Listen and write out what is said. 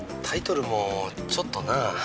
タイトルもちょっとなぁ。